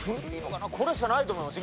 これしかないと思います。